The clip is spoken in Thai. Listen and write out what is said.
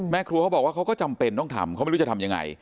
ครัวเขาบอกว่าเขาก็จำเป็นต้องทำเขาไม่รู้จะทำยังไง